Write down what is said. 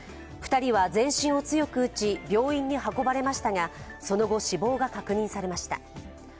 ２人は全身を強く打ち、病院に運ばれましたが、その後、死亡が確認されました。